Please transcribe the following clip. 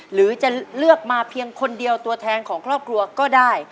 หรือจะเลือกมาเพียงคนเดียวตัวแทนของครอบครัวก็ได้